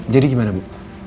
jadi gimana bu